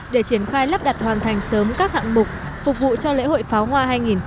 để triển khai lắp đặt hoàn thành sớm các hạng mục phục vụ cho lễ hội pháo hoa hai nghìn một mươi chín